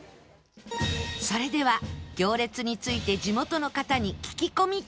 それでは行列について地元の方に聞き込み調査